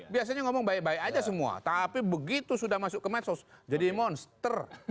biasanya ngomong baik baik aja semua tapi begitu sudah masuk ke medsos jadi monster